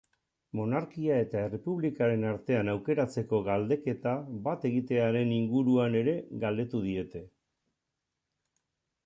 Monarkia eta errepublikaren artean aukeratzeko galdeketa bat egitearen inguruan ere galdetu diete.